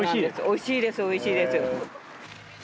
おいしいですおいしいです。